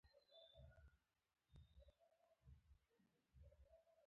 احمده کبر مه کوه؛ د کبر کاسه نسکوره ده